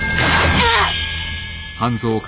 うっ。